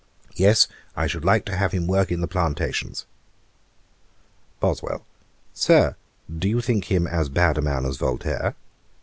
Yes, I should like to have him work in the plantations.' BOSWELL. 'Sir, do you think him as bad a man as Voltaire?'